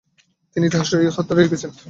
তিনি ইতিহাসে খ্যাত হয়ে রয়েছেন।